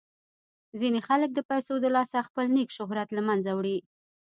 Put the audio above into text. ځینې خلک د پیسو د لاسه خپل نیک شهرت له منځه وړي.